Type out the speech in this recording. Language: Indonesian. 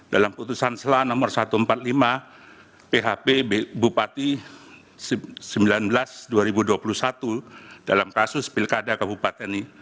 dalam putusan sela nomor satu ratus empat puluh lima php bupati sembilan belas dua ribu dua puluh satu dalam kasus pilkada kabupaten ini